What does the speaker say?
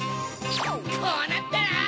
こうなったら！